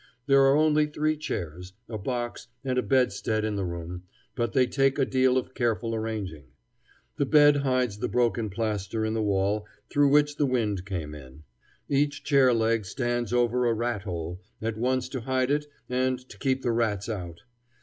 There are only three chairs, a box, and a bedstead in the room, but they take a deal of careful arranging. The bed hides the broken plaster in the wall through which the wind came in; each chair leg stands over a rat hole, at once to hide it and to keep the rats out.